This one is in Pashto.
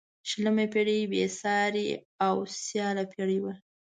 شلمه پيړۍ بې سیارې او سیاله پيړۍ وه.